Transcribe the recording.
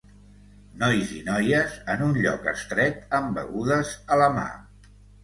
Nois i noies en un lloc estret amb begudes a la mà.